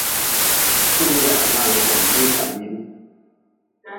Sukure biga hera mngaagʼbe hom, lee ka biin.